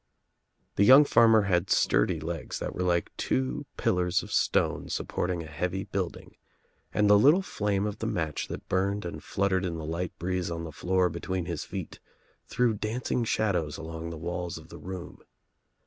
The young fanner had sturdy legs that were like two 84 THE TRIUMPH OF THE EGG pillars of stone supporting a heavy building, and the little flame of the match that burned and fluttered in the light breeze on the floor between his feet threw dancing shadows along the walls of the room.